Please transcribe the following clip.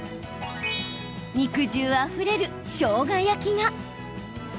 肉汁あふれるしょうが焼きが。